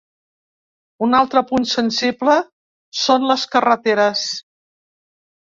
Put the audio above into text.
Un altre punt sensible són les carreteres.